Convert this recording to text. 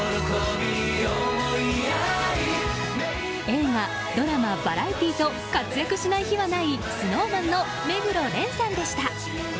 映画、ドラマ、バラエティーと活躍しない日はないＳｎｏｗＭａｎの目黒蓮さんでした。